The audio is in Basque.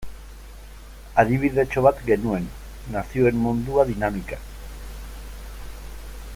Adibidetxo bat genuen, Nazioen Mundua dinamika.